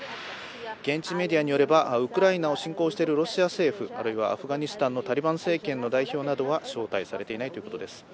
現地メディアによれば、ウクライナを侵攻しているロシア政府、あるいはアフガニスタンのタリバン政権の代表などは招待されていないということです。